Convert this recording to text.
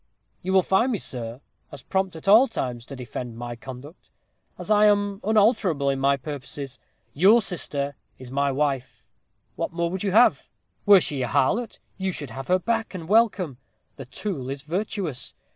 "You will find me, sir, as prompt at all times to defend my conduct, as I am unalterable in my purposes. Your sister is my wife. What more would you have? Were she a harlot, you should have her back and welcome. The tool is virtuous.